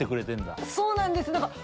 そうなんです。